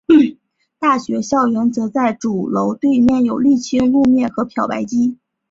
大学校园则在主楼对面有沥青路面和漂白机。